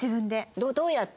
どうやって？